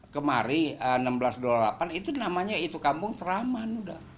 kemarin seribu enam ratus dua puluh delapan itu namanya itu kampung teraman udah